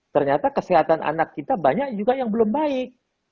ternyata kesehatan anak kita banyak juga yang belum baik